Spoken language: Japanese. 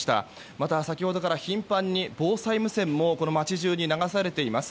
また先ほどから頻繁に防災無線も町中に流されています。